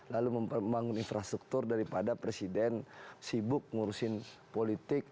lalu membangun infrastruktur daripada presiden sibuk ngurusin politik